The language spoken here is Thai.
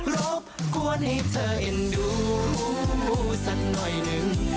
รบกวนให้เธอเอ็นดูสักหน่อยหนึ่ง